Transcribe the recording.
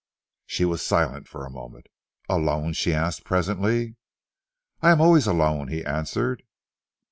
She was silent for a moment. "Alone?" she asked presently. "I am always alone," he answered.